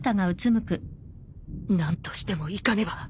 何としても行かねば。